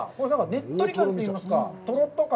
ねっとり感といいますか、とろっと感。